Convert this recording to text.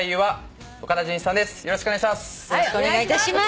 よろしくお願いします！